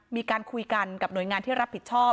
มีการคุยกันกับหน่วยงานที่รับผิดชอบ